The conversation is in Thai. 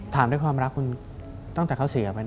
ถามด้วยความรักคุณตั้งแต่เขาเสียไหม